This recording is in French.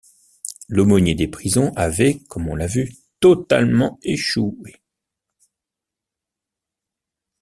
L’aumônier des prisons avait, comme on l’a vu, totalement échoué.